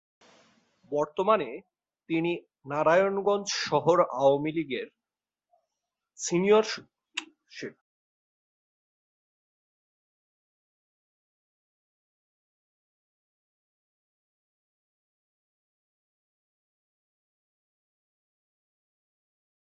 বর্তমানে তিনি নারায়ণগঞ্জ শহর আওয়ামী লীগের সিনিয়র সহ-সভাপতির দায়িত্ব পালন করছেন।